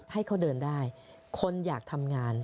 ให้เขาเดินได้คนอยากทำงาน